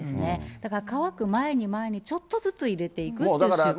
だから渇く前にちょっとずつ入れていくって習慣を。